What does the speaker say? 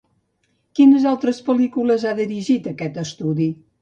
Quines altres pel·lícules ha dirigit aquest estudi?